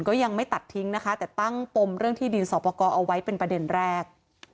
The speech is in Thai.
ก็ยังไม่ตัดทิ้งนะคะแต่ตั้งปมเรื่องที่ดินสอบประกอบเอาไว้เป็นประเด็นแรก